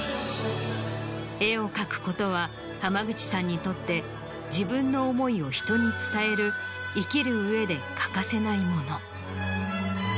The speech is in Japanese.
絵を描くことは濱口さんにとって自分の思いを人に伝える生きる上で欠かせないもの。